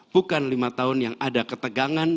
bukan lima tahun yang ada ketegangan